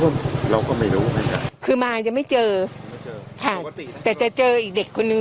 เพราะว่าเราก็ไม่รู้นะครับคือมายังไม่เจอค่ะแต่จะเจออีกเด็กคนนึง